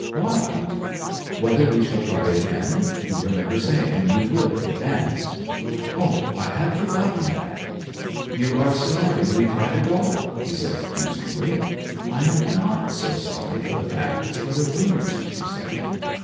'What?' 'Whether we shall try again; you remember saying you would at the dance?' 'Oh, I had forgotten that!' 'You are sorry we tried at all!' he said accusingly. 'I am not so sorry for the fact as for the rumours,' she said.